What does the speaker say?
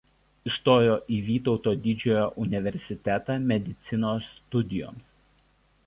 Įstojo į Vytauto Didžiojo universitetą medicinos studijoms.